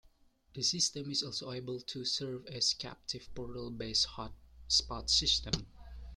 The system is also able to serve as a captive-portal-based hotspot system.